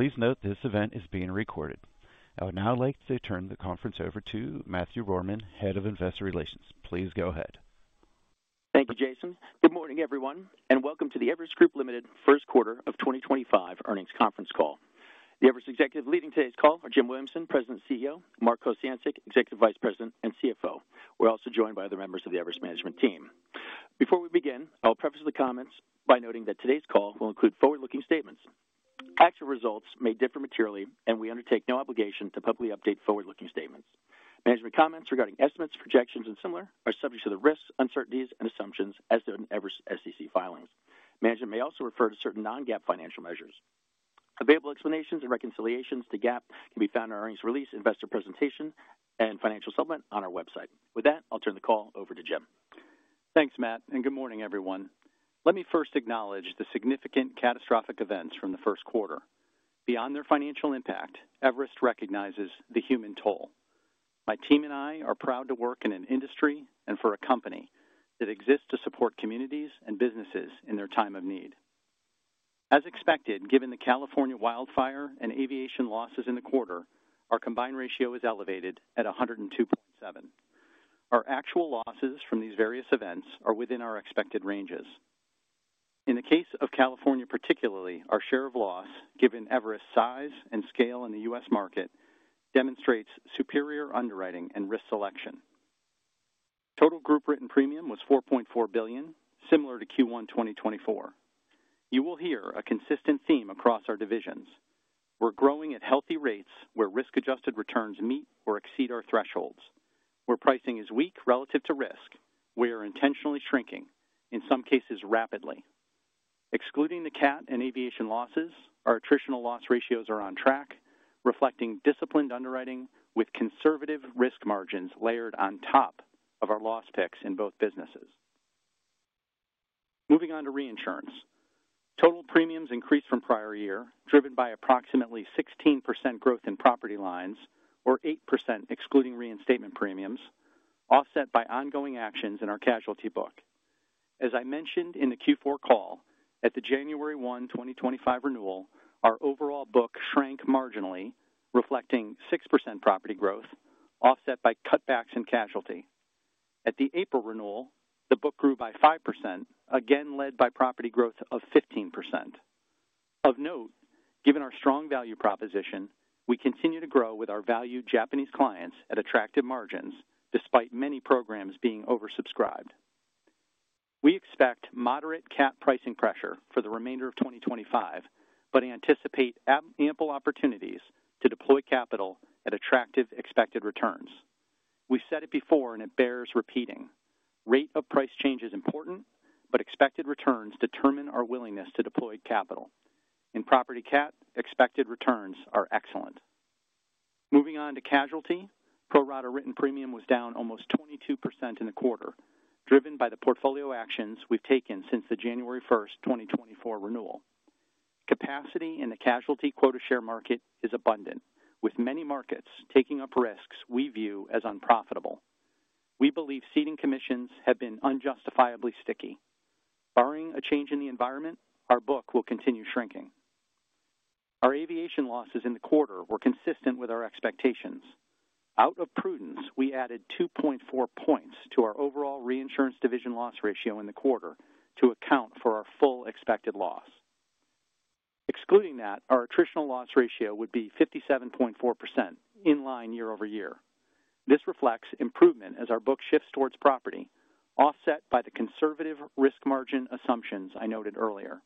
Please note this event is being recorded. I would now like to turn the conference over to Matthew Rohrmann, Head of Investor Relations. Please go ahead. Thank you, Jason. Good morning, everyone, and welcome to the Everest Group Ltd. First Quarter of 2025 Earnings Conference Call. The Everest Executive leading today's call are Jim Williamson, President and CEO; Mark Kociancic, Executive Vice President and CFO. We're also joined by other members of the Everest Management Team. Before we begin, I'll preface the comments by noting that today's call will include forward-looking statements. Actual results may differ materially, and we undertake no obligation to publicly update forward-looking statements. Management comments regarding estimates, projections, and similar are subject to the risks, uncertainties, and assumptions as noted in Everest's SEC filings. Management may also refer to certain non-GAAP financial measures. Available explanations and reconciliations to GAAP can be found in our earnings release, investor presentation, and financial settlement on our website. With that, I'll turn the call over to Jim. Thanks, Matt, and good morning, everyone. Let me first acknowledge the significant catastrophic events from the first quarter. Beyond their financial impact, Everest recognizes the human toll. My team and I are proud to work in an industry and for a company that exists to support communities and businesses in their time of need. As expected, given the California wildfire and aviation losses in the quarter, our combined ratio is elevated at 102.7%. Our actual losses from these various events are within our expected ranges. In the case of California particularly, our share of loss, given Everest's size and scale in the U.S. market, demonstrates superior underwriting and risk selection. Total group written premium was $4.4 billion, similar to Q1 2024. You will hear a consistent theme across our divisions. We're growing at healthy rates where risk-adjusted returns meet or exceed our thresholds. Where pricing is weak relative to risk, we are intentionally shrinking, in some cases rapidly. Excluding the CAT and aviation losses, our attritional loss ratios are on track, reflecting disciplined underwriting with conservative risk margins layered on top of our loss picks in both businesses. Moving on to reinsurance. Total premiums increased from prior year, driven by approximately 16% growth in property lines, or 8% excluding reinstatement premiums, offset by ongoing actions in our casualty book. As I mentioned in the Q4 call, at the January 1st, 2025, renewal, our overall book shrank marginally, reflecting 6% property growth, offset by cutbacks in casualty. At the April renewal, the book grew by 5%, again led by property growth of 15%. Of note, given our strong value proposition, we continue to grow with our valued Japanese clients at attractive margins despite many programs being oversubscribed. We expect moderate CAT pricing pressure for the remainder of 2025, but anticipate ample opportunities to deploy capital at attractive expected returns. We've said it before, and it bears repeating: rate of price change is important, but expected returns determine our willingness to deploy capital. In property CAT, expected returns are excellent. Moving on to casualty, pro rata written premium was down almost 22% in the quarter, driven by the portfolio actions we've taken since the January 1st, 2024, renewal. Capacity in the casualty quota share market is abundant, with many markets taking up risks we view as unprofitable. We believe ceding commissions have been unjustifiably sticky. Barring a change in the environment, our book will continue shrinking. Our aviation losses in the quarter were consistent with our expectations. Out of prudence, we added 2.4 percentage points to our overall reinsurance division loss ratio in the quarter to account for our full expected loss. Excluding that, our attritional loss ratio would be 57.4%, in line year over year. This reflects improvement as our book shifts towards property, offset by the conservative risk margin assumptions I noted earlier.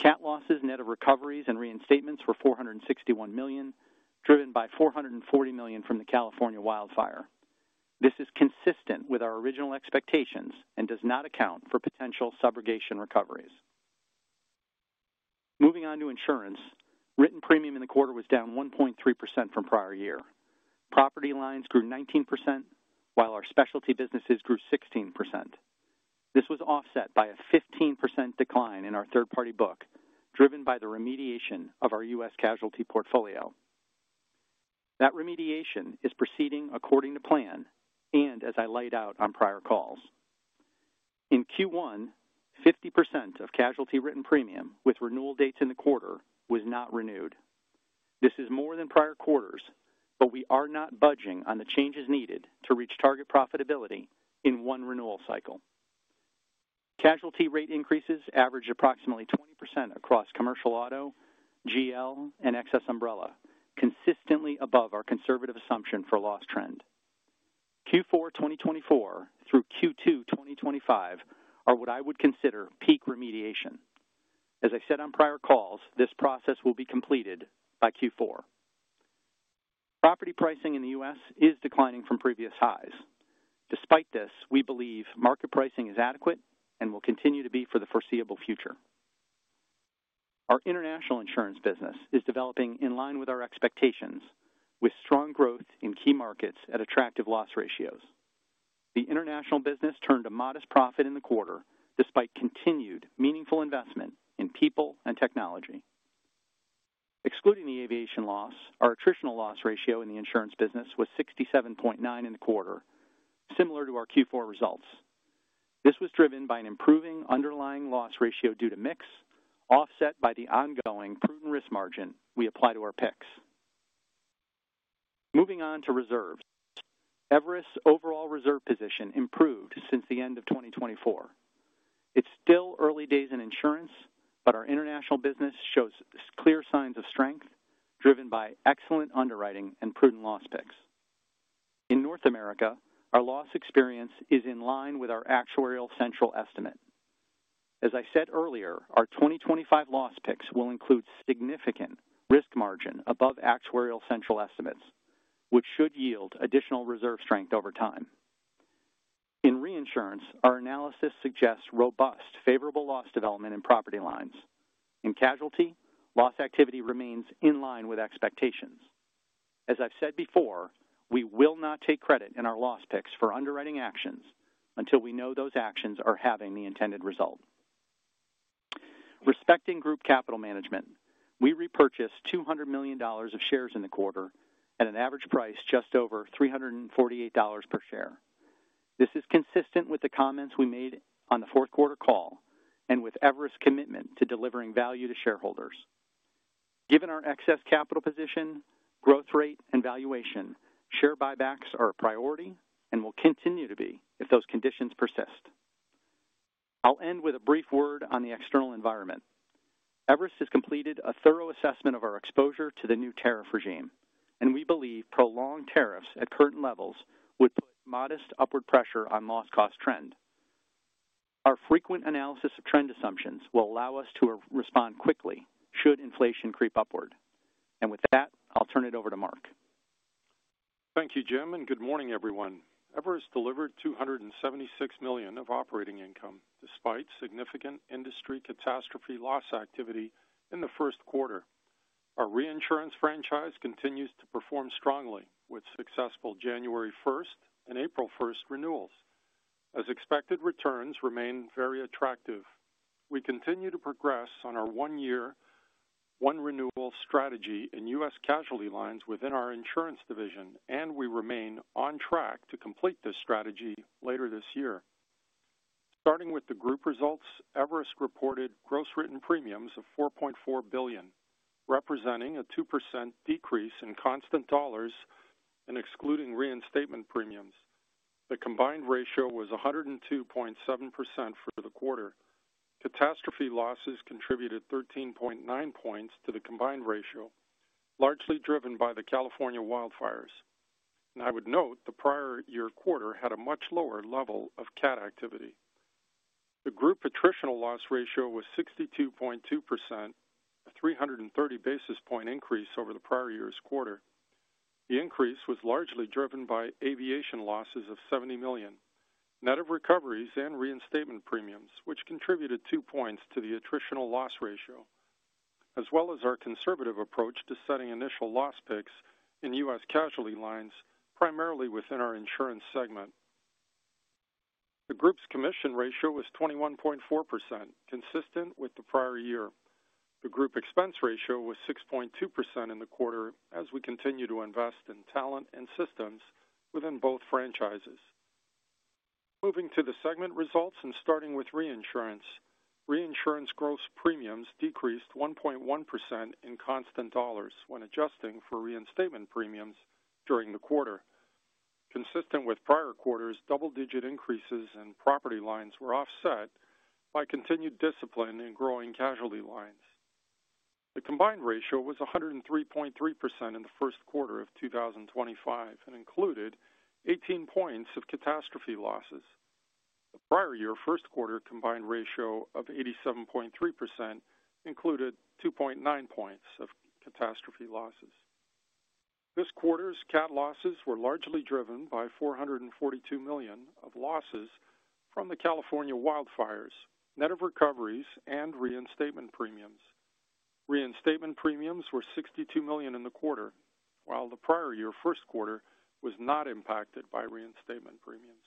CAT losses net of recoveries and reinstatements were $461 million, driven by $440 million from the California wildfire. This is consistent with our original expectations and does not account for potential subrogation recoveries. Moving on to insurance, written premium in the quarter was down 1.3% from prior year. Property lines grew 19%, while our specialty businesses grew 16%. This was offset by a 15% decline in our third-party book, driven by the remediation of our U.S. casualty portfolio. That remediation is proceeding according to plan and as I laid out on prior calls. In Q1, 50% of casualty written premium with renewal dates in the quarter was not renewed. This is more than prior quarters, but we are not budging on the changes needed to reach target profitability in one renewal cycle. Casualty rate increases averaged approximately 20% across commercial auto, GL, and excess umbrella, consistently above our conservative assumption for loss trend. Q4 2024 through Q2 2025 are what I would consider peak remediation. As I said on prior calls, this process will be completed by Q4. Property pricing in the U.S. is declining from previous highs. Despite this, we believe market pricing is adequate and will continue to be for the foreseeable future. Our international insurance business is developing in line with our expectations, with strong growth in key markets at attractive loss ratios. The international business turned a modest profit in the quarter despite continued meaningful investment in people and technology. Excluding the aviation loss, our attritional loss ratio in the insurance business was 67.9% in the quarter, similar to our Q4 results. This was driven by an improving underlying loss ratio due to mix, offset by the ongoing prudent risk margin we apply to our picks. Moving on to reserves, Everest's overall reserve position improved since the end of 2024. It is still early days in insurance, but our international business shows clear signs of strength, driven by excellent underwriting and prudent loss picks. In North America, our loss experience is in line with our actuarial central estimate. As I said earlier, our 2025 loss picks will include significant risk margin above actuarial central estimates, which should yield additional reserve strength over time. In reinsurance, our analysis suggests robust favorable loss development in property lines. In casualty, loss activity remains in line with expectations. As I've said before, we will not take credit in our loss picks for underwriting actions until we know those actions are having the intended result. Respecting group capital management, we repurchased $200 million of shares in the quarter at an average price just over $348 per share. This is consistent with the comments we made on the fourth quarter call and with Everest's commitment to delivering value to shareholders. Given our excess capital position, growth rate, and valuation, share buybacks are a priority and will continue to be if those conditions persist. I'll end with a brief word on the external environment. Everest has completed a thorough assessment of our exposure to the new tariff regime, and we believe prolonged tariffs at current levels would put modest upward pressure on loss cost trend. Our frequent analysis of trend assumptions will allow us to respond quickly should inflation creep upward. With that, I'll turn it over to Mark. Thank you, Jim, and good morning, everyone. Everest delivered $276 million of operating income despite significant industry catastrophe loss activity in the first quarter. Our reinsurance franchise continues to perform strongly with successful January 1st and April 1st renewals. As expected, returns remain very attractive. We continue to progress on our one-year, one-renewal strategy in U.S. casualty lines within our insurance division, and we remain on track to complete this strategy later this year. Starting with the group results, Everest reported gross written premiums of $4.4 billion, representing a 2% decrease in constant dollars and excluding reinstatement premiums. The combined ratio was 102.7% for the quarter. Catastrophe losses contributed 13.9 points to the combined ratio, largely driven by the California wildfires. I would note the prior year quarter had a much lower level of CAT activity. The group attritional loss ratio was 62.2%, a 330 basis point increase over the prior year's quarter. The increase was largely driven by aviation losses of $70 million, net of recoveries and reinstatement premiums, which contributed 2 points to the attritional loss ratio, as well as our conservative approach to setting initial loss picks in U.S. casualty lines, primarily within our insurance segment. The group's commission ratio was 21.4%, consistent with the prior year. The group expense ratio was 6.2% in the quarter as we continue to invest in talent and systems within both franchises. Moving to the segment results and starting with reinsurance. Reinsurance gross premiums decreased 1.1% in constant dollars when adjusting for reinstatement premiums during the quarter. Consistent with prior quarters, double-digit increases in property lines were offset by continued discipline in growing casualty lines. The combined ratio was 103.3% in the first quarter of 2025 and included 18 points of catastrophe losses. The prior year first quarter combined ratio of 87.3% included 2.9 points of catastrophe losses. This quarter's CAT losses were largely driven by $442 million of losses from the California wildfires, net of recoveries and reinstatement premiums. Reinstatement premiums were $62 million in the quarter, while the prior year first quarter was not impacted by reinstatement premiums.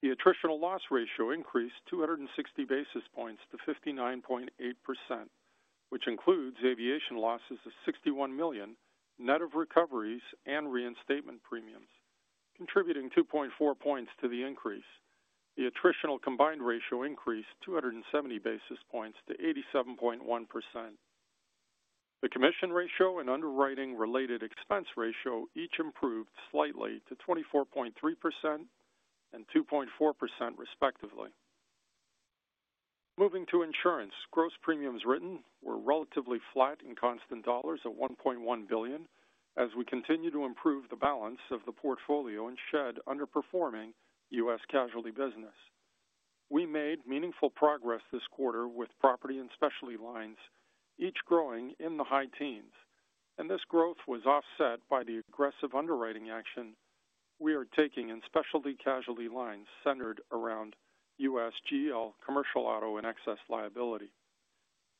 The attritional loss ratio increased 260 basis points to 59.8%, which includes aviation losses of $61 million, net of recoveries and reinstatement premiums, contributing 2.4 points to the increase. The attritional combined ratio increased 270 basis points to 87.1%. The commission ratio and underwriting-related expense ratio each improved slightly to 24.3% and 2.4%, respectively. Moving to insurance, gross premiums written were relatively flat in constant dollars at $1.1 billion, as we continue to improve the balance of the portfolio and shed underperforming U.S. casualty business. We made meaningful progress this quarter with property and specialty lines, each growing in the high teens, and this growth was offset by the aggressive underwriting action we are taking in specialty casualty lines centered around U.S. GL, commercial auto, and excess liability.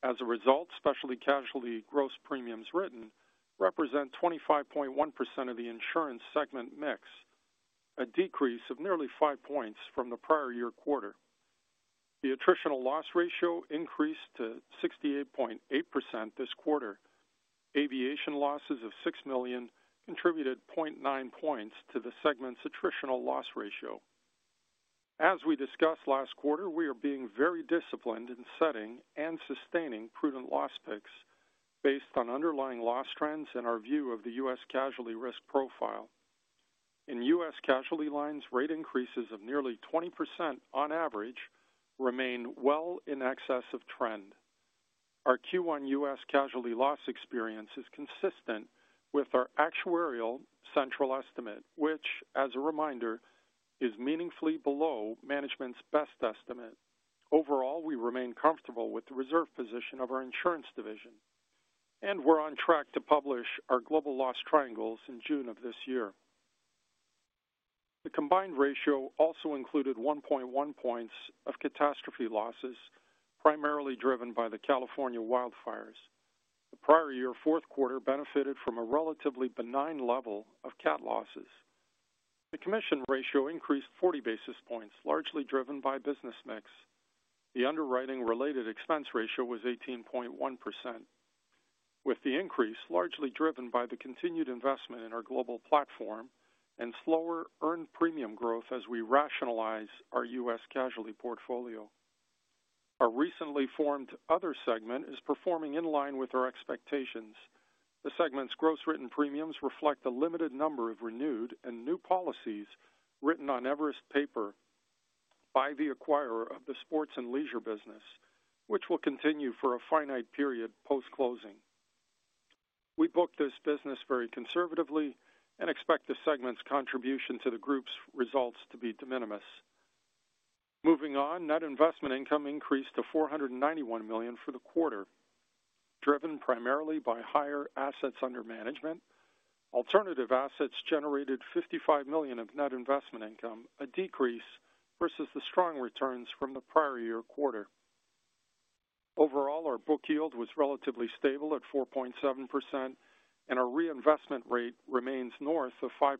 As a result, specialty casualty gross premiums written represent 25.1% of the insurance segment mix, a decrease of nearly 5 percentage points from the prior year quarter. The attritional loss ratio increased to 68.8% this quarter. Aviation losses of $6 million contributed 0.9 percentage points to the segment's attritional loss ratio. As we discussed last quarter, we are being very disciplined in setting and sustaining prudent loss picks based on underlying loss trends and our view of the U.S. casualty risk profile. In U.S. casualty lines, rate increases of nearly 20% on average remain well in excess of trend. Our Q1 U.S. casualty loss experience is consistent with our actuarial central estimate, which, as a reminder, is meaningfully below management's best estimate. Overall, we remain comfortable with the reserve position of our insurance division, and we're on track to publish our global loss triangles in June of this year. The combined ratio also included 1.1 points of catastrophe losses, primarily driven by the California wildfires. The prior year fourth quarter benefited from a relatively benign level of CAT losses. The commission ratio increased 40 basis points, largely driven by business mix. The underwriting-related expense ratio was 18.1%, with the increase largely driven by the continued investment in our global platform and slower earned premium growth as we rationalize our U.S. casualty portfolio. Our recently formed other segment is performing in line with our expectations. The segment's gross written premiums reflect a limited number of renewed and new policies written on Everest paper by the acquirer of the sports and leisure business, which will continue for a finite period post-closing. We booked this business very conservatively and expect the segment's contribution to the group's results to be de minimis. Moving on, net investment income increased to $491 million for the quarter, driven primarily by higher assets under management. Alternative assets generated $55 million of net investment income, a decrease versus the strong returns from the prior year quarter. Overall, our book yield was relatively stable at 4.7%, and our reinvestment rate remains north of 5%.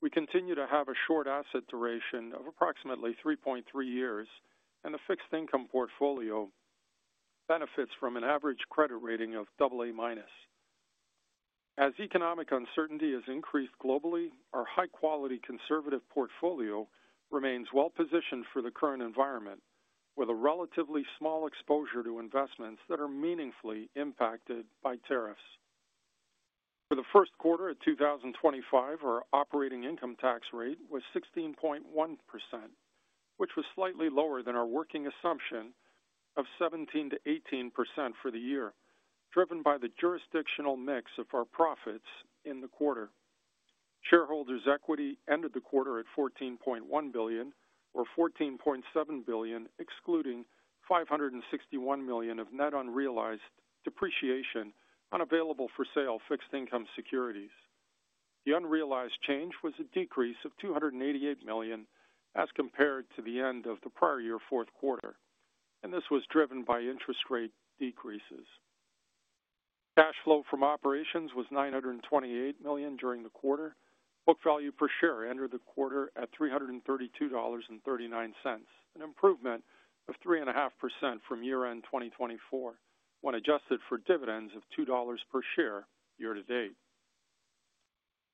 We continue to have a short asset duration of approximately 3.3 years, and the fixed income portfolio benefits from an average credit rating of AA minus. As economic uncertainty has increased globally, our high-quality conservative portfolio remains well-positioned for the current environment, with a relatively small exposure to investments that are meaningfully impacted by tariffs. For the first quarter of 2025, our operating income tax rate was 16.1%, which was slightly lower than our working assumption of 17%-18% for the year, driven by the jurisdictional mix of our profits in the quarter. Shareholders' equity ended the quarter at $14.1 billion, or $14.7 billion, excluding $561 million of net unrealized depreciation on available-for-sale fixed income securities. The unrealized change was a decrease of $288 million as compared to the end of the prior year fourth quarter, and this was driven by interest rate decreases. Cash flow from operations was $928 million during the quarter. Book value per share ended the quarter at $332.39, an improvement of 3.5% from year-end 2024 when adjusted for dividends of $2 per share year-to-date.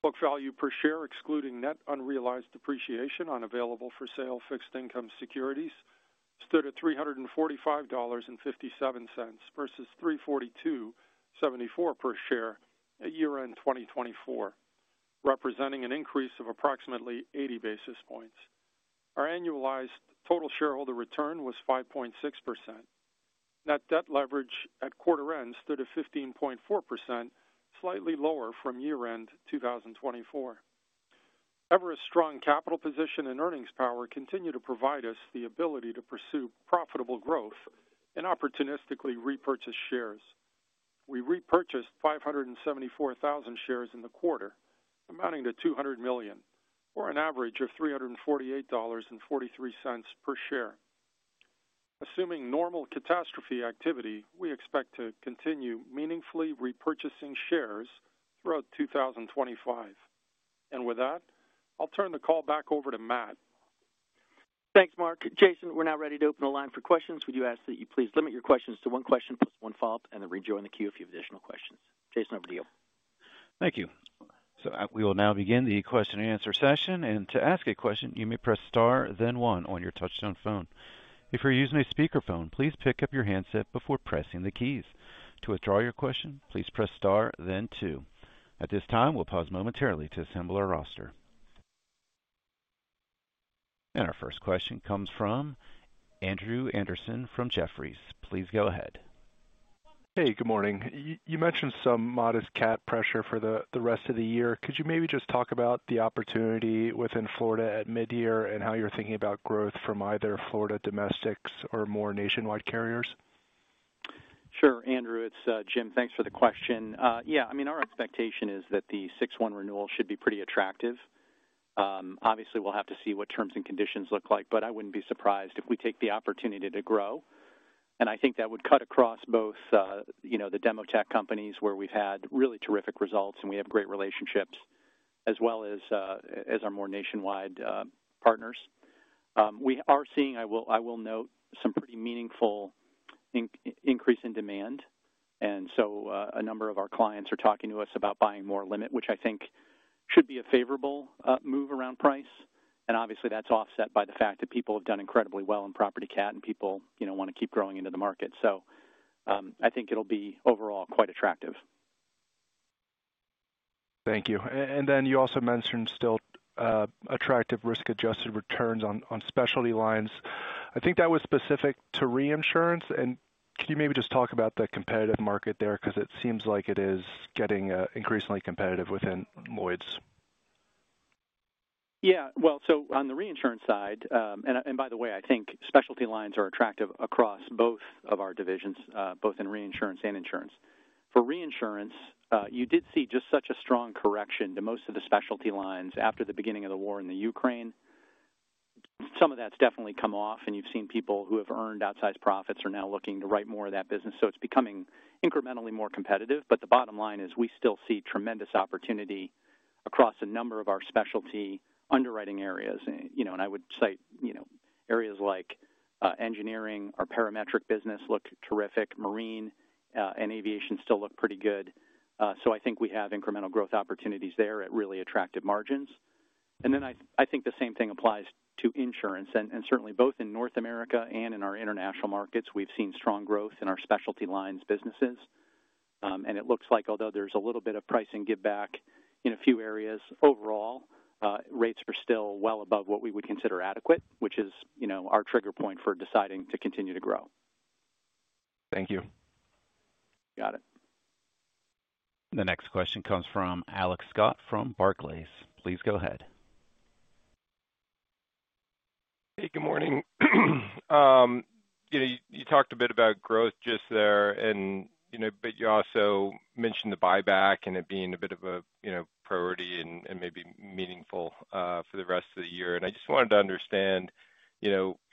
Book value per share, excluding net unrealized depreciation on available-for-sale fixed income securities, stood at $345.57 versus $342.74 per share at year-end 2024, representing an increase of approximately 80 basis points. Our annualized total shareholder return was 5.6%. Net debt leverage at quarter-end stood at 15.4%, slightly lower from year-end 2024. Everest's strong capital position and earnings power continue to provide us the ability to pursue profitable growth and opportunistically repurchase shares. We repurchased 574,000 shares in the quarter, amounting to $200 million, or an average of $348.43 per share. Assuming normal catastrophe activity, we expect to continue meaningfully repurchasing shares throughout 2025. With that, I'll turn the call back over to Matt. Thanks, Mark. Jason, we're now ready to open the line for questions. Would you ask that you please limit your questions to one question plus one follow-up and then rejoin the queue if you have additional questions. Jason, over to you. Thank you. We will now begin the question-and-answer session. To ask a question, you may press star, then one on your touch-tone phone. If you're using a speakerphone, please pick up your handset before pressing the keys. To withdraw your question, please press star, then two. At this time, we'll pause momentarily to assemble our roster. Our first question comes from Andrew Andersen from Jefferies. Please go ahead. Hey, good morning. You mentioned some modest CAT pressure for the rest of the year. Could you maybe just talk about the opportunity within Florida at midyear and how you're thinking about growth from either Florida Domestics or more nationwide carriers? Sure, Andrew. It's Jim, thanks for the question. Yeah, I mean, our expectation is that the 6-1 renewal should be pretty attractive. Obviously, we'll have to see what terms and conditions look like, but I wouldn't be surprised if we take the opportunity to grow. I think that would cut across both the Demotech companies where we've had really terrific results, and we have great relationships, as well as our more nationwide partners. We are seeing, I will note, some pretty meaningful increase in demand. A number of our clients are talking to us about buying more limit, which I think should be a favorable move around price. Obviously, that's offset by the fact that people have done incredibly well in property CAT, and people want to keep growing into the market. I think it'll be overall quite attractive. Thank you. You also mentioned still attractive risk-adjusted returns on specialty lines. I think that was specific to reinsurance. Could you maybe just talk about the competitive market there because it seems like it is getting increasingly competitive within Lloyd's? Yeah. On the reinsurance side, and by the way, I think specialty lines are attractive across both of our divisions, both in reinsurance and insurance. For reinsurance, you did see just such a strong correction to most of the specialty lines after the beginning of the war in the Ukraine. Some of that has definitely come off, and you've seen people who have earned outsized profits are now looking to write more of that business. It is becoming incrementally more competitive. The bottom line is we still see tremendous opportunity across a number of our specialty underwriting areas. I would cite areas like engineering. Our parametric business looked terrific. Marine and aviation still look pretty good. I think we have incremental growth opportunities there at really attractive margins. I think the same thing applies to insurance. Certainly, both in North America and in our international markets, we've seen strong growth in our specialty lines businesses. It looks like, although there's a little bit of pricing give back in a few areas, overall, rates are still well above what we would consider adequate, which is our trigger point for deciding to continue to grow. Thank you. Got it. The next question comes from Alex Scott from Barclays. Please go ahead. Hey, good morning. You talked a bit about growth just there, but you also mentioned the buyback and it being a bit of a priority and maybe meaningful for the rest of the year. I just wanted to understand, at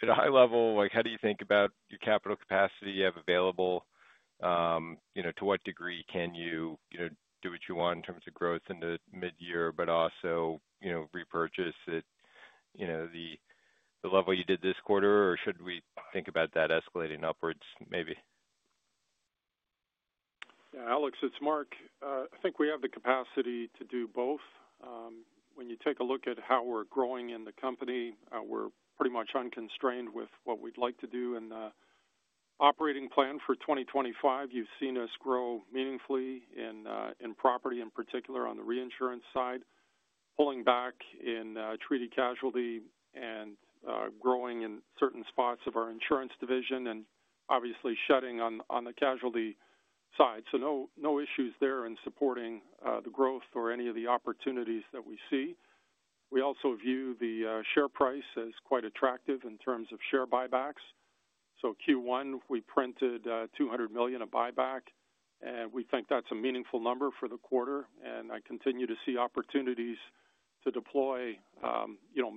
a high level, how do you think about your capital capacity you have available? To what degree can you do what you want in terms of growth into midyear, but also repurchase at the level you did this quarter? Should we think about that escalating upwards maybe? Yeah, Alex, it's Mark. I think we have the capacity to do both. When you take a look at how we're growing in the company, we're pretty much unconstrained with what we'd like to do. The operating plan for 2025, you've seen us grow meaningfully in property, in particular on the reinsurance side, pulling back in treaty casualty and growing in certain spots of our insurance division, and obviously shutting on the casualty side. No issues there in supporting the growth or any of the opportunities that we see. We also view the share price as quite attractive in terms of share buybacks. Q1, we printed $200 million of buyback, and we think that's a meaningful number for the quarter. I continue to see opportunities to deploy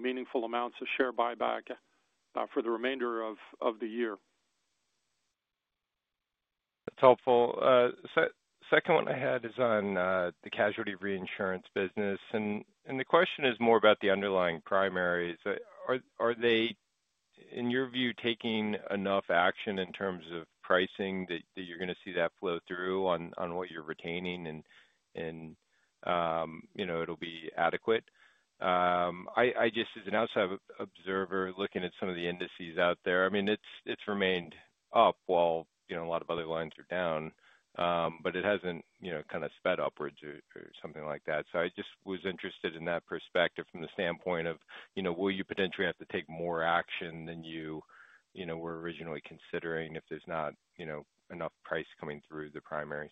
meaningful amounts of share buyback for the remainder of the year. That's helpful. The second one I had is on the casualty reinsurance business. The question is more about the underlying primaries. Are they, in your view, taking enough action in terms of pricing that you're going to see that flow through on what you're retaining and it'll be adequate? I just, as an outside observer looking at some of the indices out there, I mean, it's remained up while a lot of other lines are down, but it hasn't kind of sped upwards or something like that. I just was interested in that perspective from the standpoint of, will you potentially have to take more action than you were originally considering if there's not enough price coming through the primaries?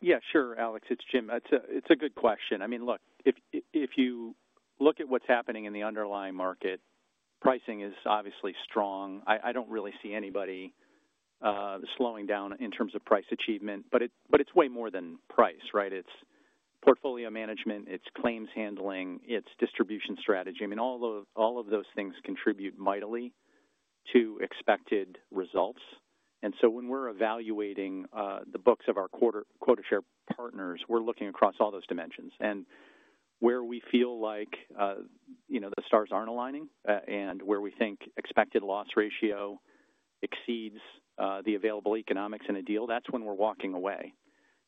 Yeah, sure, Alex. It's Jim. It's a good question. I mean, look, if you look at what's happening in the underlying market, pricing is obviously strong. I don't really see anybody slowing down in terms of price achievement, but it's way more than price, right? It's portfolio management, it's claims handling, it's distribution strategy. I mean, all of those things contribute mightily to expected results. When we're evaluating the books of our quota share partners, we're looking across all those dimensions. Where we feel like the stars aren't aligning and where we think expected loss ratio exceeds the available economics in a deal, that's when we're walking away.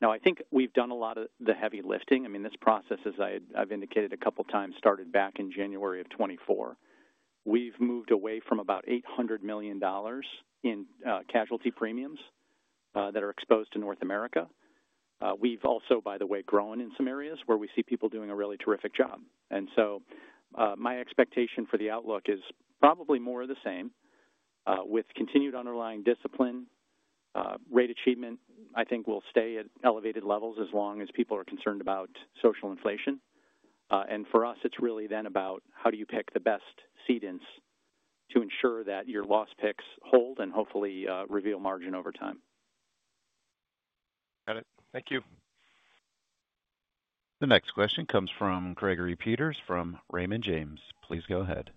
Now, I think we've done a lot of the heavy lifting. I mean, this process, as I've indicated a couple of times, started back in January of 2024. We've moved away from about $800 million in casualty premiums that are exposed to North America. We've also, by the way, grown in some areas where we see people doing a really terrific job. My expectation for the outlook is probably more of the same with continued underlying discipline. Rate achievement, I think, will stay at elevated levels as long as people are concerned about social inflation. For us, it's really then about how do you pick the best seedings to ensure that your loss picks hold and hopefully reveal margin over time. Got it. Thank you. The next question comes from Gregory Peters from Raymond James. Please go ahead.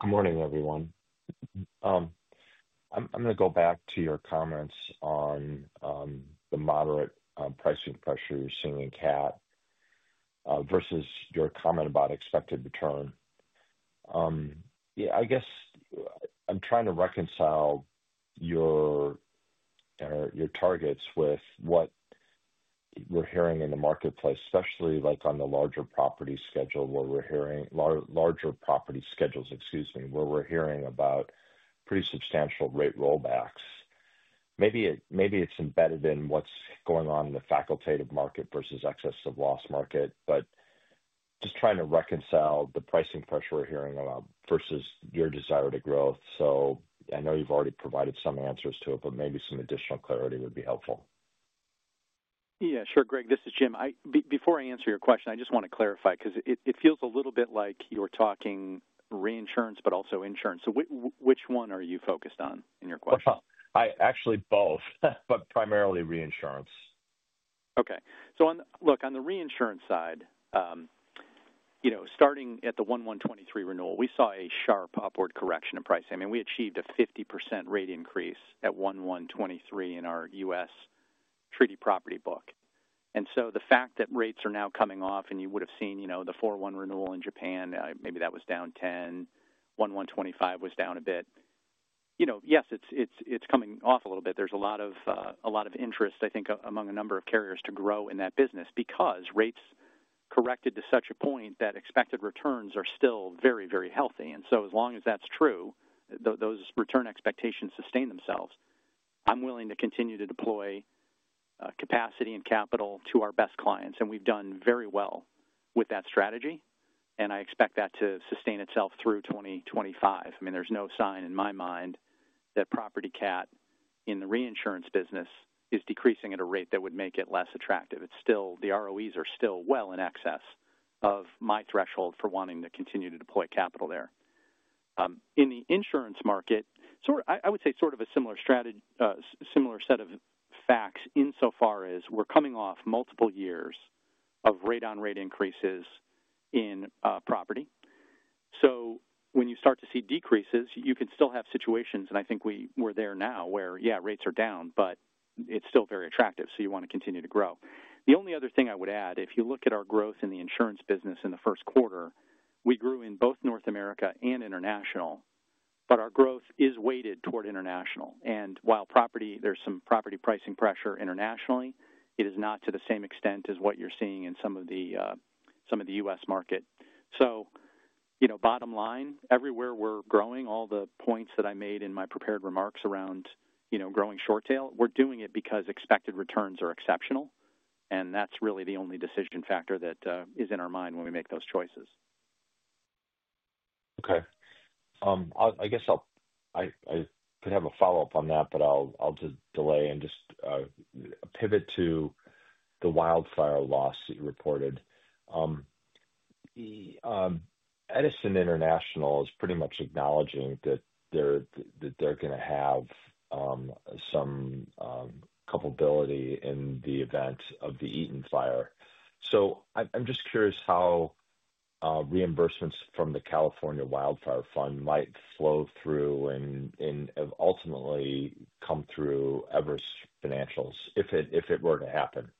Good morning, everyone. I'm going to go back to your comments on the moderate pricing pressure you're seeing in CAT versus your comment about expected return. Yeah, I guess I'm trying to reconcile your targets with what we're hearing in the marketplace, especially on the larger property schedule where we're hearing larger property schedules, excuse me, where we're hearing about pretty substantial rate rollbacks. Maybe it's embedded in what's going on in the facultative market versus excess of loss market, but just trying to reconcile the pricing pressure we're hearing about versus your desire to grow. I know you've already provided some answers to it, but maybe some additional clarity would be helpful. Yeah, sure. Greg, this is Jim. Before I answer your question, I just want to clarify because it feels a little bit like you're talking reinsurance, but also insurance. Which one are you focused on in your question? Actually, both, but primarily reinsurance. Okay. Look, on the reinsurance side, starting at the 1/1/2023 renewal, we saw a sharp upward correction in pricing. I mean, we achieved a 50% rate increase at 1/1/2023 in our U.S. treaty property book. The fact that rates are now coming off, and you would have seen the 4/1 renewal in Japan, maybe that was down 10%, 1/1/2025 was down a bit. Yes, it is coming off a little bit. There is a lot of interest, I think, among a number of carriers to grow in that business because rates corrected to such a point that expected returns are still very, very healthy. As long as that is true, those return expectations sustain themselves. I am willing to continue to deploy capacity and capital to our best clients. We have done very well with that strategy. I expect that to sustain itself through 2025. I mean, there's no sign in my mind that property CAT in the reinsurance business is decreasing at a rate that would make it less attractive. The ROEs are still well in excess of my threshold for wanting to continue to deploy capital there. In the insurance market, I would say sort of a similar set of facts insofar as we're coming off multiple years of rate-on-rate increases in property. When you start to see decreases, you can still have situations, and I think we're there now where, yeah, rates are down, but it's still very attractive. You want to continue to grow. The only other thing I would add, if you look at our growth in the insurance business in the first quarter, we grew in both North America and international, but our growth is weighted toward international. While there is some property pricing pressure internationally, it is not to the same extent as what you are seeing in some of the U.S. market. Bottom line, everywhere we are growing, all the points that I made in my prepared remarks around growing short tail, we are doing it because expected returns are exceptional. That is really the only decision factor that is in our mind when we make those choices. Okay. I guess I could have a follow-up on that, but I'll just delay and just pivot to the wildfire loss that you reported. Edison International is pretty much acknowledging that they're going to have some culpability in the event of the Eaton fire. I'm just curious how reimbursements from the California Wildfire Fund might flow through and ultimately come through Everest Financials if it were to happen.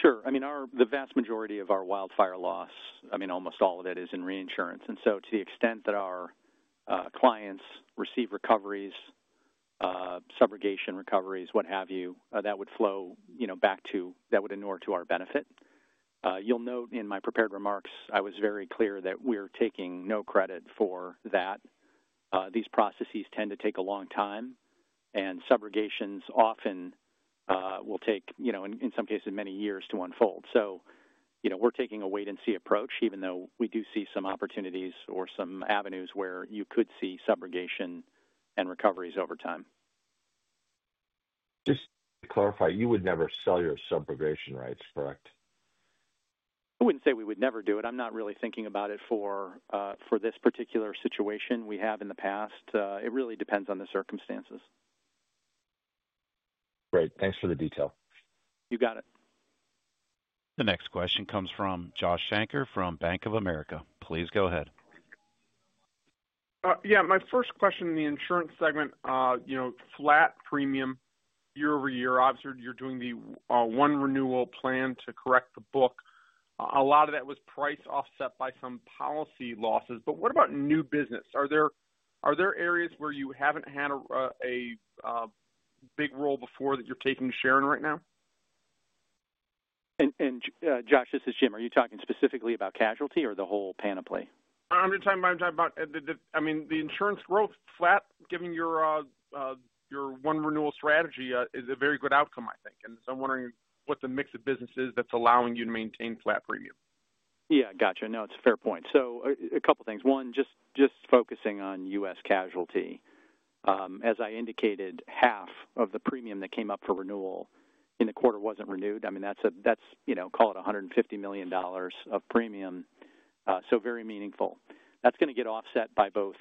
Sure. I mean, the vast majority of our wildfire loss, I mean, almost all of it is in reinsurance. To the extent that our clients receive recoveries, subrogation recoveries, what have you, that would flow back to that would in order to our benefit. You'll note in my prepared remarks, I was very clear that we're taking no credit for that. These processes tend to take a long time, and subrogations often will take, in some cases, many years to unfold. We're taking a wait-and-see approach, even though we do see some opportunities or some avenues where you could see subrogation and recoveries over time. Just to clarify, you would never sell your subrogation rights, correct? I wouldn't say we would never do it. I'm not really thinking about it for this particular situation. We have in the past. It really depends on the circumstances. Great. Thanks for the detail. You got it. The next question comes from Josh Shanker from Bank of America. Please go ahead. Yeah. My first question in the insurance segment, flat premium year over year. Obviously, you're doing the one renewal plan to correct the book. A lot of that was price offset by some policy losses. What about new business? Are there areas where you haven't had a big role before that you're taking share in right now? Josh, this is Jim. Are you talking specifically about casualty or the whole panoply? I'm just talking about, I mean, the insurance growth flat, given your one renewal strategy is a very good outcome, I think. I am wondering what the mix of business is that's allowing you to maintain flat premium. Yeah. Gotcha. No, it's a fair point. A couple of things. One, just focusing on U.S. casualty. As I indicated, half of the premium that came up for renewal in the quarter was not renewed. I mean, that's, call it $150 million of premium. Very meaningful. That's going to get offset by both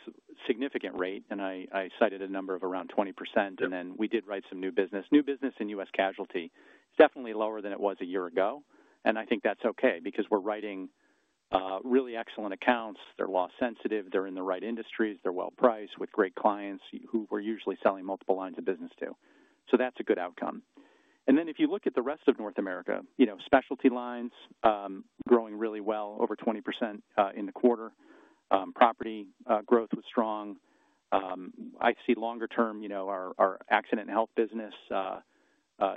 significant rate, and I cited a number of around 20%. We did write some new business. New business in U.S. casualty is definitely lower than it was a year ago. I think that's okay because we're writing really excellent accounts. They're loss sensitive. They're in the right industries. They're well-priced with great clients who we're usually selling multiple lines of business to. That's a good outcome. If you look at the rest of North America, specialty lines growing really well, over 20% in the quarter. Property growth was strong. I see longer term, our accident and health business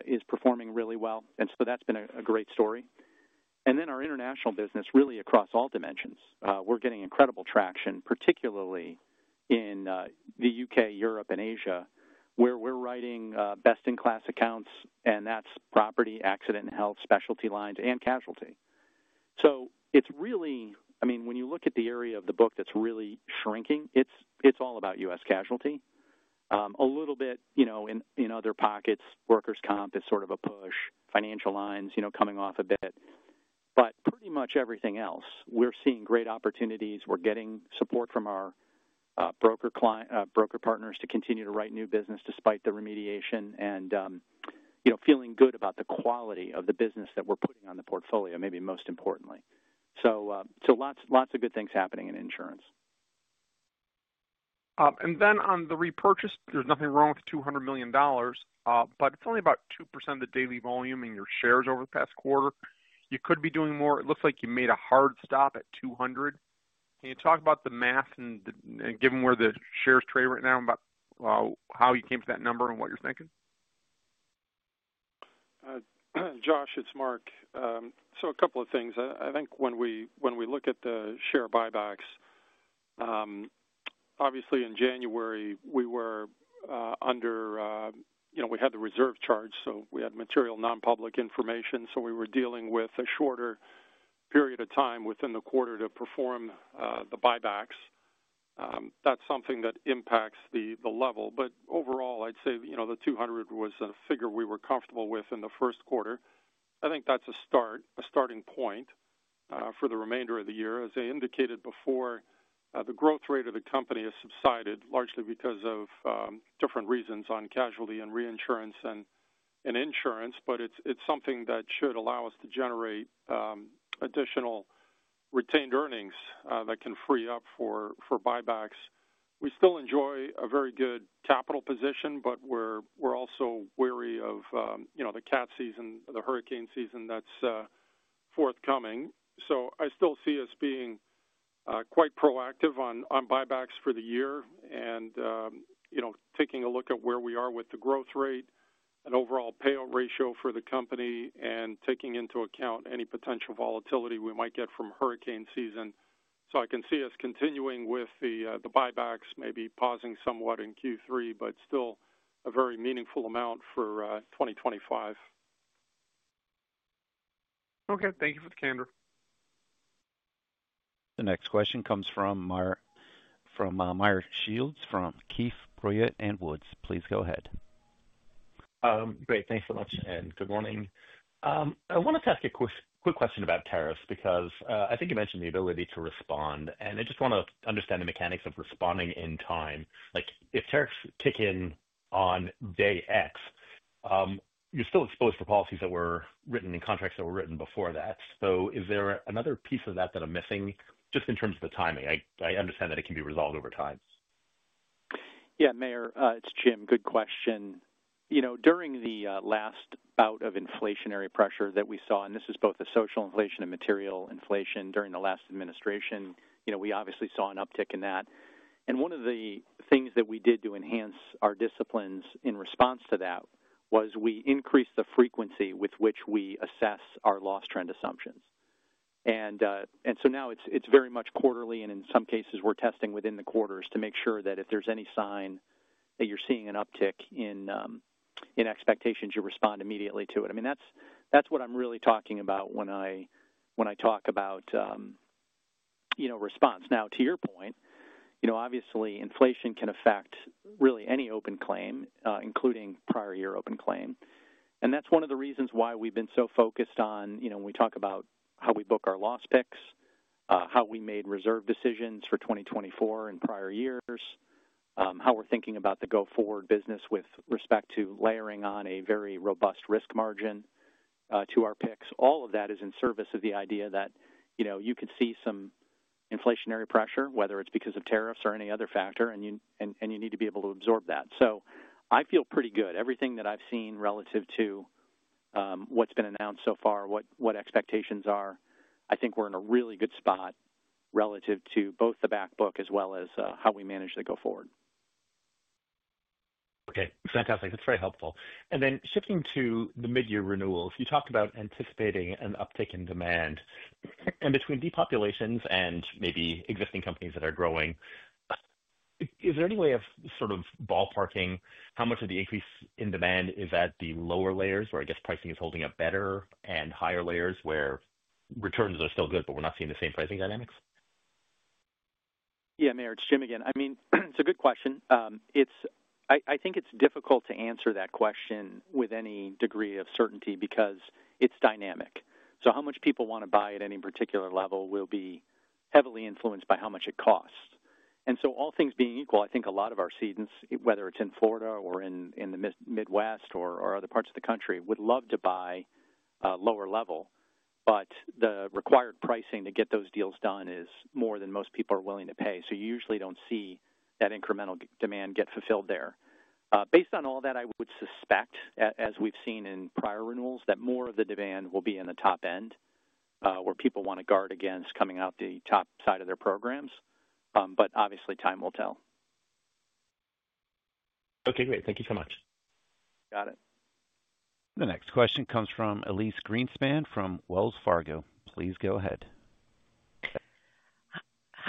is performing really well. That has been a great story. Our international business, really across all dimensions, we are getting incredible traction, particularly in the U.K., Europe, and Asia, where we are writing best-in-class accounts, and that is property, accident and health, specialty lines, and casualty. When you look at the area of the book that is really shrinking, it is all about U.S. casualty. A little bit in other pockets, workers' comp is sort of a push, financial lines coming off a bit. Pretty much everything else, we are seeing great opportunities. We are getting support from our broker partners to continue to write new business despite the remediation and feeling good about the quality of the business that we are putting on the portfolio, maybe most importantly. Lots of good things happening in insurance. On the repurchase, there's nothing wrong with $200 million, but it's only about 2% of the daily volume in your shares over the past quarter. You could be doing more. It looks like you made a hard stop at $200 million. Can you talk about the math and given where the shares trade right now and about how you came to that number and what you're thinking? Josh, it's Mark. A couple of things. I think when we look at the share buybacks, obviously in January, we were under we had the reserve charge. We had material nonpublic information. We were dealing with a shorter period of time within the quarter to perform the buybacks. That is something that impacts the level. Overall, I'd say the $200 million was a figure we were comfortable with in the first quarter. I think that is a starting point for the remainder of the year. As I indicated before, the growth rate of the company has subsided largely because of different reasons on casualty and reinsurance and insurance, but it is something that should allow us to generate additional retained earnings that can free up for buybacks. We still enjoy a very good capital position, but we are also wary of the cat season, the hurricane season that is forthcoming. I still see us being quite proactive on buybacks for the year and taking a look at where we are with the growth rate and overall payout ratio for the company and taking into account any potential volatility we might get from hurricane season. I can see us continuing with the buybacks, maybe pausing somewhat in Q3, but still a very meaningful amount for 2025. Okay. Thank you for the candor. The next question comes from Meyer Shields from Keefe, Bruyette & Woods. Please go ahead. Great. Thanks so much. Good morning. I wanted to ask a quick question about tariffs because I think you mentioned the ability to respond, and I just want to understand the mechanics of responding in time. If tariffs kick in on day X, you're still exposed to policies that were written in contracts that were written before that. Is there another piece of that that I'm missing just in terms of the timing? I understand that it can be resolved over time. Yeah, Meyer, it's Jim. Good question. During the last bout of inflationary pressure that we saw, and this is both the social inflation and material inflation during the last administration, we obviously saw an uptick in that. One of the things that we did to enhance our disciplines in response to that was we increased the frequency with which we assess our loss trend assumptions. Now it's very much quarterly, and in some cases, we're testing within the quarters to make sure that if there's any sign that you're seeing an uptick in expectations, you respond immediately to it. I mean, that's what I'm really talking about when I talk about response. Now, to your point, obviously, inflation can affect really any open claim, including prior year open claim. That is one of the reasons why we have been so focused on when we talk about how we book our loss picks, how we made reserve decisions for 2024 and prior years, how we are thinking about the go-forward business with respect to layering on a very robust risk margin to our picks. All of that is in service of the idea that you can see some inflationary pressure, whether it is because of tariffs or any other factor, and you need to be able to absorb that. I feel pretty good. Everything that I have seen relative to what has been announced so far, what expectations are, I think we are in a really good spot relative to both the backbook as well as how we manage the go-forward. Okay. Fantastic. That's very helpful. Then shifting to the mid-year renewals, you talked about anticipating an uptick in demand. Between depopulations and maybe existing companies that are growing, is there any way of sort of ballparking how much of the increase in demand is at the lower layers where I guess pricing is holding up better and higher layers where returns are still good, but we're not seeing the same pricing dynamics? Yeah, Meyer. It's Jim again. I mean, it's a good question. I think it's difficult to answer that question with any degree of certainty because it's dynamic. How much people want to buy at any particular level will be heavily influenced by how much it costs. All things being equal, I think a lot of our cedants, whether it's in Florida or in the Midwest or other parts of the country, would love to buy lower level, but the required pricing to get those deals done is more than most people are willing to pay. You usually do not see that incremental demand get fulfilled there. Based on all that, I would suspect, as we've seen in prior renewals, that more of the demand will be in the top end where people want to guard against coming out the top side of their programs. Obviously, time will tell. Okay. Great. Thank you so much. Got it. The next question comes from Elyse Greenspan from Wells Fargo. Please go ahead.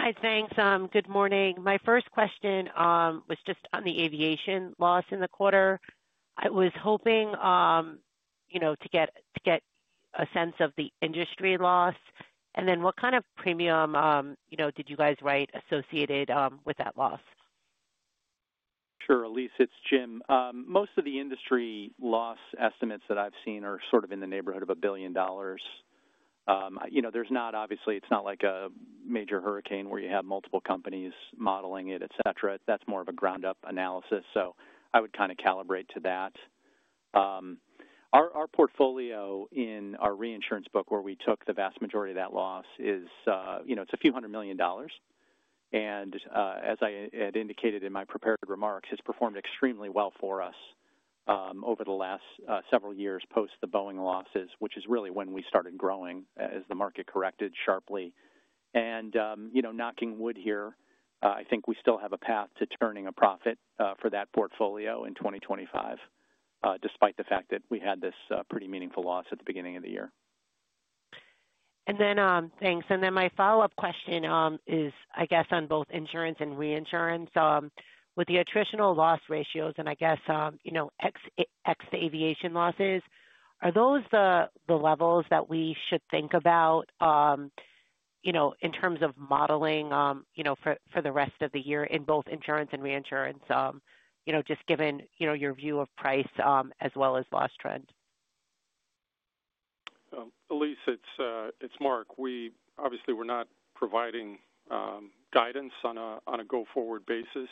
Hi, thanks. Good morning. My first question was just on the aviation loss in the quarter. I was hoping to get a sense of the industry loss. And then what kind of premium did you guys write associated with that loss? Sure. Elyse, it's Jim. Most of the industry loss estimates that I've seen are sort of in the neighborhood of $1 billion. There's not, obviously, it's not like a major hurricane where you have multiple companies modeling it, etc. That's more of a ground-up analysis. I would kind of calibrate to that. Our portfolio in our reinsurance book where we took the vast majority of that loss is it's a few hundred million dollars. As I had indicated in my prepared remarks, it's performed extremely well for us over the last several years post the Boeing losses, which is really when we started growing as the market corrected sharply. Knocking wood here, I think we still have a path to turning a profit for that portfolio in 2025, despite the fact that we had this pretty meaningful loss at the beginning of the year. Thanks. My follow-up question is, I guess, on both insurance and reinsurance. With the attritional loss ratios and I guess ex-aviation losses, are those the levels that we should think about in terms of modeling for the rest of the year in both insurance and reinsurance, just given your view of price as well as loss trend? Elyse, it's Mark. We obviously were not providing guidance on a go-forward basis.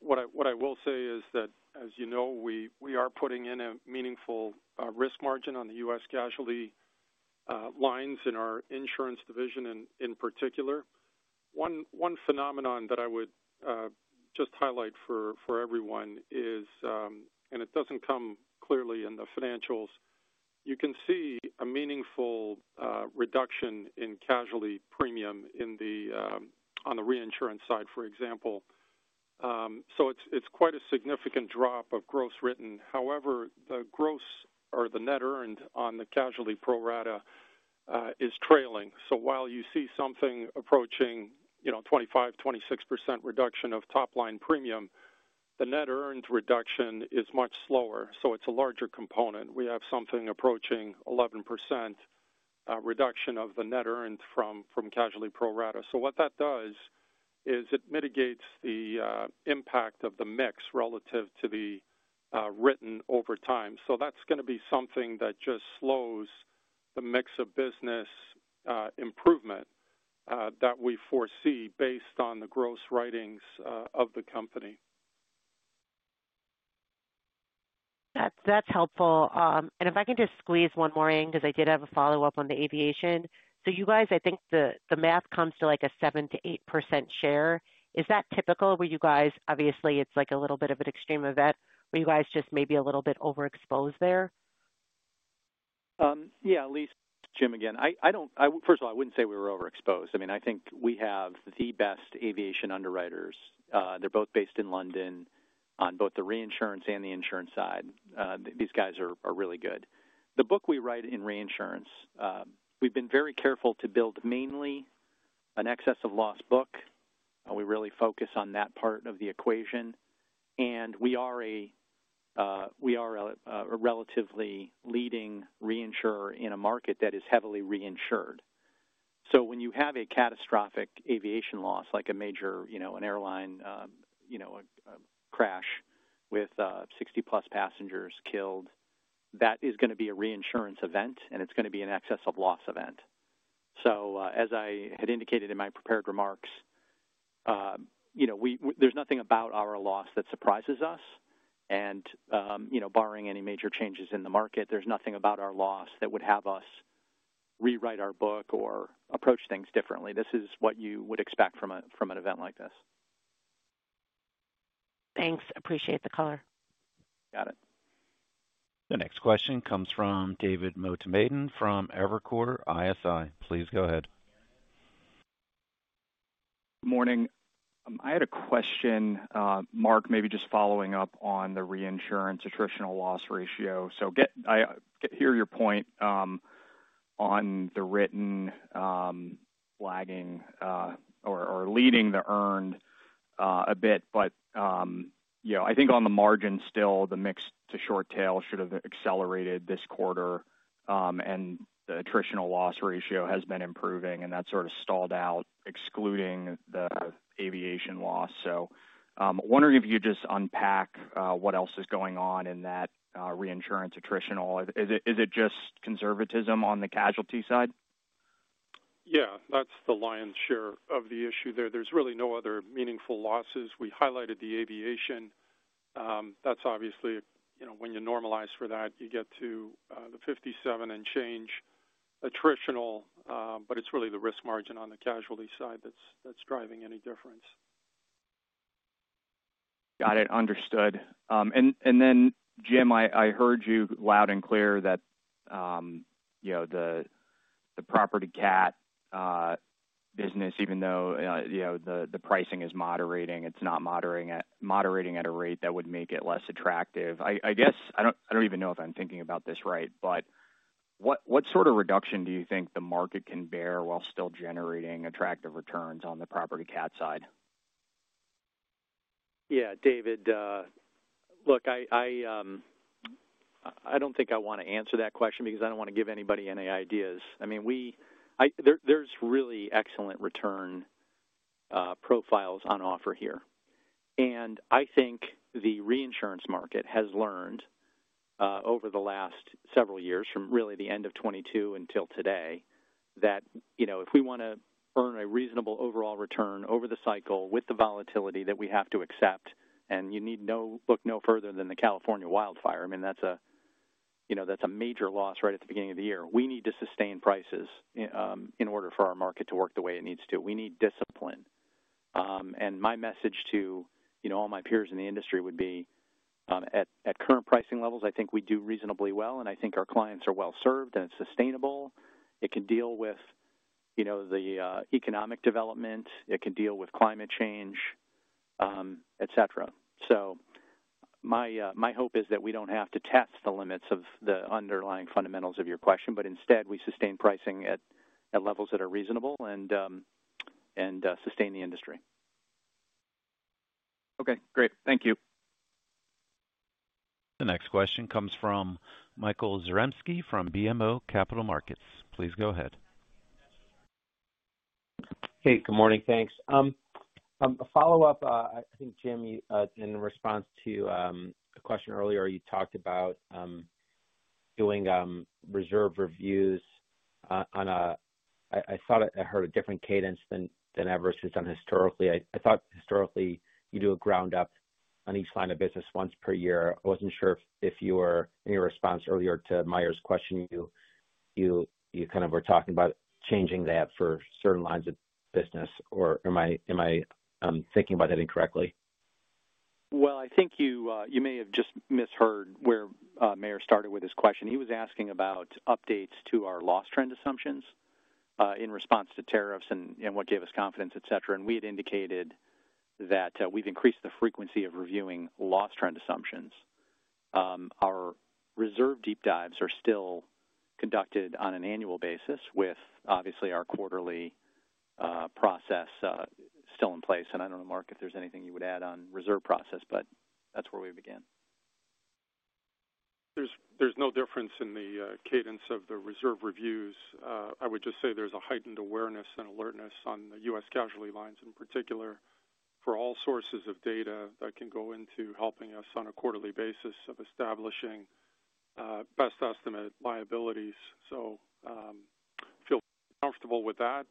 What I will say is that, as you know, we are putting in a meaningful risk margin on the U.S. casualty lines in our insurance division in particular. One phenomenon that I would just highlight for everyone is, and it does not come clearly in the financials, you can see a meaningful reduction in casualty premium on the reinsurance side, for example. It is quite a significant drop of gross written. However, the gross or the net earned on the casualty pro rata is trailing. While you see something approaching 25%-26% reduction of top-line premium, the net earned reduction is much slower. It is a larger component. We have something approaching 11% reduction of the net earned from casualty pro rata. What that does is it mitigates the impact of the mix relative to the written over time. That is going to be something that just slows the mix of business improvement that we foresee based on the gross writings of the company. That's helpful. If I can just squeeze one more in because I did have a follow-up on the aviation. You guys, I think the math comes to like a 7%-8% share. Is that typical where you guys, obviously, it's like a little bit of an extreme event, where you guys just maybe a little bit overexposed there? Yeah. Elyse, Jim again. First of all, I would not say we were overexposed. I mean, I think we have the best aviation underwriters. They are both based in London on both the reinsurance and the insurance side. These guys are really good. The book we write in reinsurance, we have been very careful to build mainly an excess of loss book. We really focus on that part of the equation. We are a relatively leading reinsurer in a market that is heavily reinsured. When you have a catastrophic aviation loss, like an airline crash with 60-plus passengers killed, that is going to be a reinsurance event, and it is going to be an excess of loss event. As I had indicated in my prepared remarks, there is nothing about our loss that surprises us. Barring any major changes in the market, there's nothing about our loss that would have us rewrite our book or approach things differently. This is what you would expect from an event like this. Thanks. Appreciate the color. Got it. The next question comes from David Motemaden from Evercore ISI. Please go ahead. Good morning. I had a question, Mark, maybe just following up on the reinsurance attritional loss ratio. I hear your point on the written lagging or leading the earned a bit. I think on the margin still, the mix to short tail should have accelerated this quarter. The attritional loss ratio has been improving, and that sort of stalled out, excluding the aviation loss. Wondering if you could just unpack what else is going on in that reinsurance attritional. Is it just conservatism on the casualty side? Yeah. That's the lion's share of the issue there. There's really no other meaningful losses. We highlighted the aviation. That's obviously when you normalize for that, you get to the 57 and change attritional, but it's really the risk margin on the casualty side that's driving any difference. Got it. Understood. Jim, I heard you loud and clear that the property cat business, even though the pricing is moderating, it's not moderating at a rate that would make it less attractive. I guess I don't even know if I'm thinking about this right, but what sort of reduction do you think the market can bear while still generating attractive returns on the property cat side? Yeah. David, look, I don't think I want to answer that question because I don't want to give anybody any ideas. I mean, there's really excellent return profiles on offer here. I think the reinsurance market has learned over the last several years, from really the end of 2022 until today, that if we want to earn a reasonable overall return over the cycle with the volatility that we have to accept, you need to look no further than the California wildfire. I mean, that's a major loss right at the beginning of the year. We need to sustain prices in order for our market to work the way it needs to. We need discipline. My message to all my peers in the industry would be at current pricing levels, I think we do reasonably well, and I think our clients are well served, and it's sustainable. It can deal with the economic development. It can deal with climate change, etc. My hope is that we don't have to test the limits of the underlying fundamentals of your question, but instead, we sustain pricing at levels that are reasonable and sustain the industry. Okay. Great. Thank you. The next question comes from Michael Zaremski from BMO Capital Markets. Please go ahead. Hey. Good morning. Thanks. A follow-up, I think, Jim, in response to a question earlier, you talked about doing reserve reviews on a—I thought I heard a different cadence than ever since historically. I thought historically you do a ground-up on each line of business once per year. I wasn't sure if you were in your response earlier to Meyer's question, you kind of were talking about changing that for certain lines of business. Or am I thinking about that incorrectly? I think you may have just misheard where Meyer started with his question. He was asking about updates to our loss trend assumptions in response to tariffs and what gave us confidence, etc. We had indicated that we've increased the frequency of reviewing loss trend assumptions. Our reserve deep dives are still conducted on an annual basis with, obviously, our quarterly process still in place. I don't know, Mark, if there's anything you would add on reserve process, but that's where we begin. There's no difference in the cadence of the reserve reviews. I would just say there's a heightened awareness and alertness on the U.S. casualty lines in particular for all sources of data that can go into helping us on a quarterly basis of establishing best estimate liabilities. I feel comfortable with that.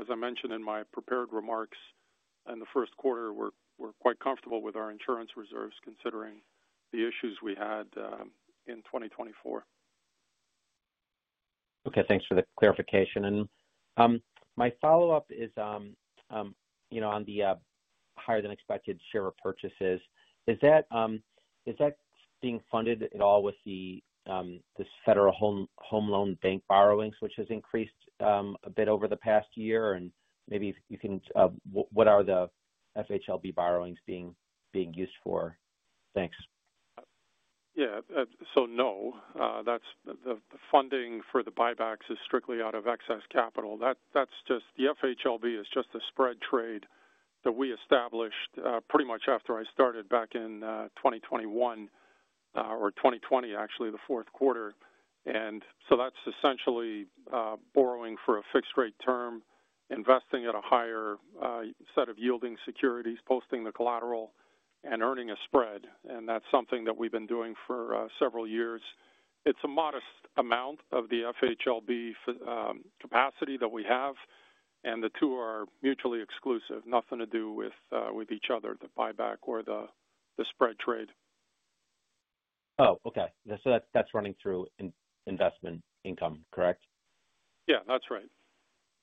As I mentioned in my prepared remarks in the first quarter, we're quite comfortable with our insurance reserves considering the issues we had in 2024. Okay. Thanks for the clarification. My follow-up is on the higher-than-expected share of purchases. Is that being funded at all with this federal home loan bank borrowings, which has increased a bit over the past year? Maybe you can—what are the FHLB borrowings being used for? Thanks. Yeah. No, the funding for the buybacks is strictly out of excess capital. The FHLB is just a spread trade that we established pretty much after I started back in 2021 or 2020, actually, the fourth quarter. That is essentially borrowing for a fixed-rate term, investing at a higher set of yielding securities, posting the collateral, and earning a spread. That is something that we have been doing for several years. It is a modest amount of the FHLB capacity that we have. The two are mutually exclusive, nothing to do with each other, the buyback or the spread trade. Oh, okay. So that's running through investment income, correct? Yeah, that's right.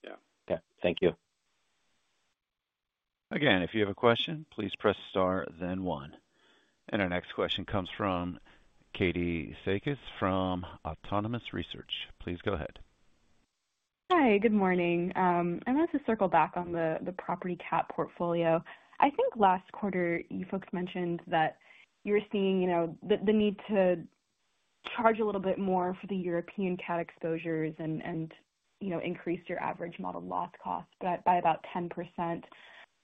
Yeah. Okay. Thank you. Again, if you have a question, please press star, then one. Our next question comes from Katie Sakys from Autonomous Research. Please go ahead. Hi. Good morning. I wanted to circle back on the property cat portfolio. I think last quarter, you folks mentioned that you were seeing the need to charge a little bit more for the European cat exposures and increase your average model loss cost by about 10%.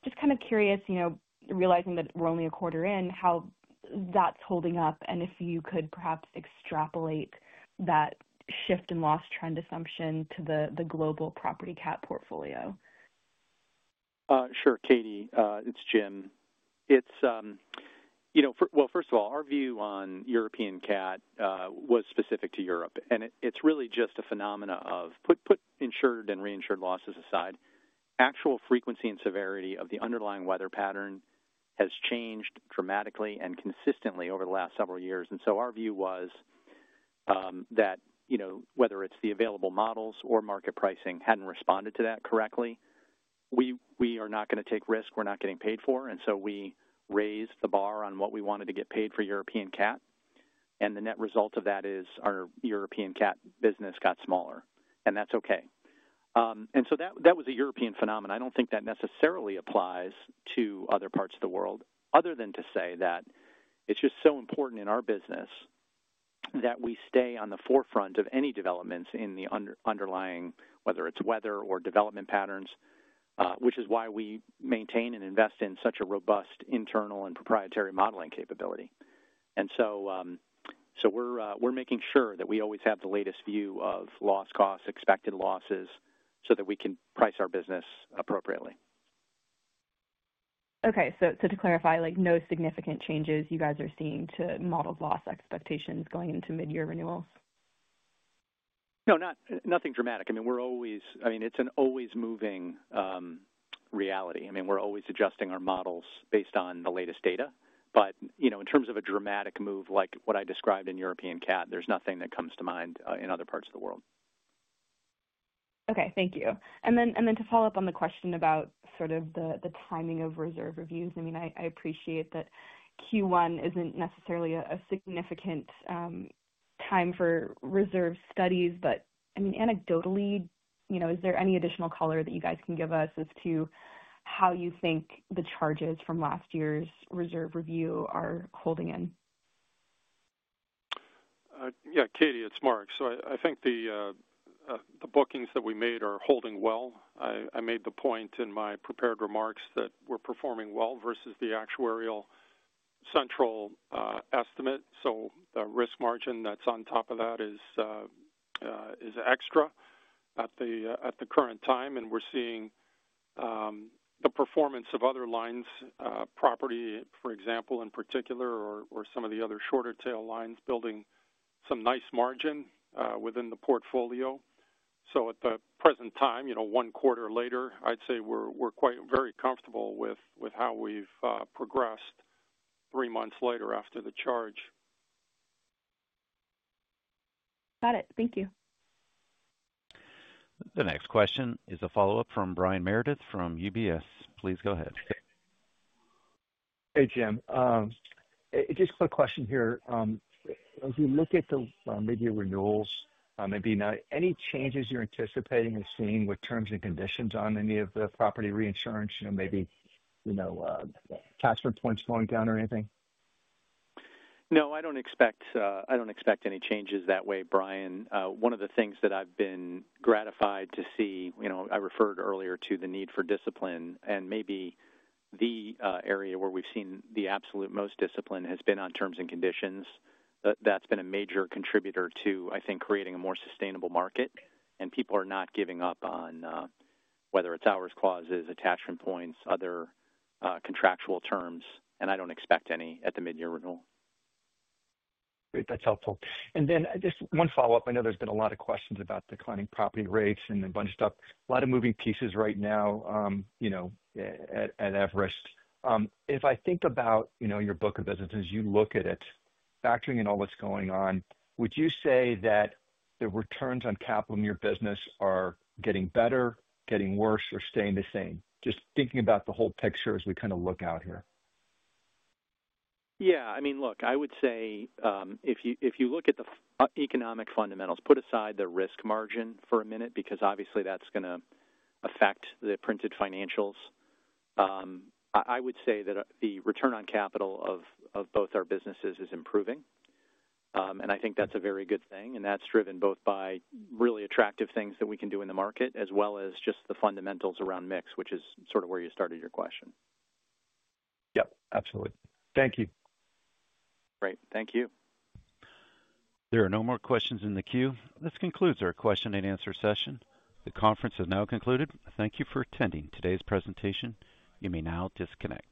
Just kind of curious, realizing that we're only a quarter in, how that's holding up and if you could perhaps extrapolate that shift in loss trend assumption to the global property cat portfolio. Sure. Katie, it's Jim. First of all, our view on European cat was specific to Europe. It is really just a phenomena of—put insured and reinsured losses aside—actual frequency and severity of the underlying weather pattern has changed dramatically and consistently over the last several years. Our view was that whether it is the available models or market pricing had not responded to that correctly, we are not going to take risk we are not getting paid for. We raised the bar on what we wanted to get paid for European cat. The net result of that is our European cat business got smaller. That is okay. That was a European phenomena. I don't think that necessarily applies to other parts of the world, other than to say that it's just so important in our business that we stay on the forefront of any developments in the underlying, whether it's weather or development patterns, which is why we maintain and invest in such a robust internal and proprietary modeling capability. We are making sure that we always have the latest view of loss costs, expected losses, so that we can price our business appropriately. Okay. To clarify, no significant changes you guys are seeing to model loss expectations going into mid-year renewals? No, nothing dramatic. I mean, we're always—I mean, it's an always-moving reality. I mean, we're always adjusting our models based on the latest data. In terms of a dramatic move like what I described in European cat, there's nothing that comes to mind in other parts of the world. Okay. Thank you. To follow up on the question about sort of the timing of reserve reviews, I mean, I appreciate that Q1 isn't necessarily a significant time for reserve studies. I mean, anecdotally, is there any additional color that you guys can give us as to how you think the charges from last year's reserve review are holding in? Yeah. Katie, it's Mark. I think the bookings that we made are holding well. I made the point in my prepared remarks that we're performing well versus the actuarial central estimate. The risk margin that's on top of that is extra at the current time. We're seeing the performance of other lines, property, for example, in particular, or some of the other shorter-tail lines building some nice margin within the portfolio. At the present time, one quarter later, I'd say we're quite very comfortable with how we've progressed three months later after the charge. Got it. Thank you. The next question is a follow-up from Brian Meredith from UBS. Please go ahead. Hey, Jim. Just a quick question here. As you look at the mid-year renewals, maybe any changes you're anticipating or seeing with terms and conditions on any of the property reinsurance, maybe tax return points going down or anything? No, I don't expect any changes that way, Brian. One of the things that I've been gratified to see, I referred earlier to the need for discipline. Maybe the area where we've seen the absolute most discipline has been on terms and conditions. That's been a major contributor to, I think, creating a more sustainable market. People are not giving up on whether it's hours clauses, attachment points, other contractual terms. I don't expect any at the mid-year renewal. Great. That's helpful. Just one follow-up. I know there's been a lot of questions about declining property rates and a bunch of stuff. A lot of moving pieces right now at Everest. If I think about your book of business as you look at it, factoring in all that's going on, would you say that the returns on capital in your business are getting better, getting worse, or staying the same? Just thinking about the whole picture as we kind of look out here. Yeah. I mean, look, I would say if you look at the economic fundamentals, put aside the risk margin for a minute because obviously that's going to affect the printed financials. I would say that the return on capital of both our businesses is improving. I think that's a very good thing. That's driven both by really attractive things that we can do in the market as well as just the fundamentals around mix, which is sort of where you started your question. Yep. Absolutely. Thank you. Great. Thank you. There are no more questions in the queue. This concludes our question and answer session. The conference is now concluded. Thank you for attending today's presentation. You may now disconnect.